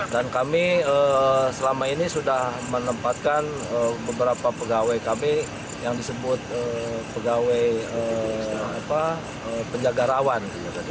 dan kami selama ini sudah menempatkan beberapa pegawai kami yang disebut pegawai penjaga rawan